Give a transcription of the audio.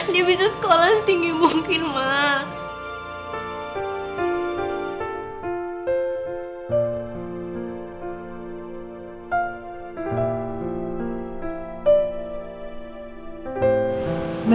dia bisa sekolah setinggi mungkin mas